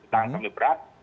tangan kami berat